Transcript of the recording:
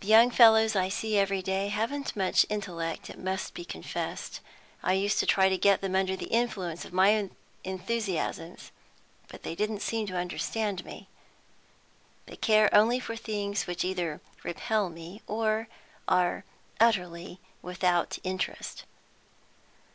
The young fellows I see every day haven't much intellect, it must be confessed. I used to try to get them under the influence of my own enthusiasms, but they didn't seem to understand me. They care only for things which either repel me, or are utterly without interest."